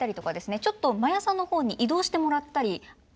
ちょっと真矢さんの方に移動してもらったり。